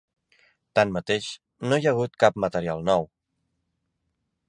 Tanmateix, no hi ha hagut cap material nou.